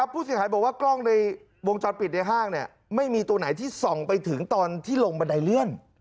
ผู้เสียหายบอกว่ากล้องในวงจอดปิดในห้างไม่มีตัวไหนที่ส่องไปถึงตอนที่ลงบันไดเลื่อน